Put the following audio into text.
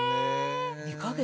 ２か月も。